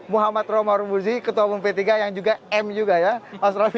muhammad romar muzi ketua umum p tiga yang juga m juga ya mas romi